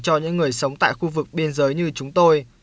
cho những người sống tại khu vực biên giới như chúng tôi